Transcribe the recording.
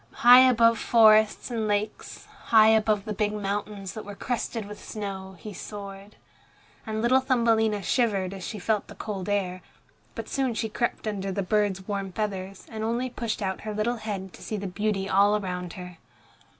High above forests and lakes, high above the big mountains that were crested with snow, he soared. And little Thumbelina shivered as she felt the cold air, but soon she crept under the bird's warm feathers, and only pushed out her little head to see the beauty all around her.